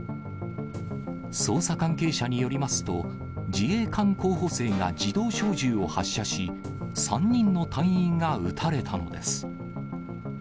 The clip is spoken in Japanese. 捜査関係者によりますと、自衛官候補生が自動小銃を発射し、３人の隊員が撃たれたのです。